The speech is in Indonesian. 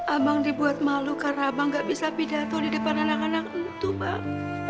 abang dibuat malu karena abang gak bisa pidato di depan anak anak itu pak